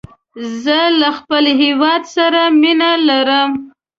زه له خپل هېواد سره مینه لرم